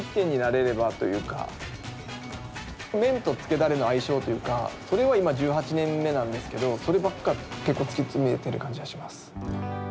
麺とつけダレの相性というかそれは今１８年目なんですけどそればっか、結構突き詰めている感じがします。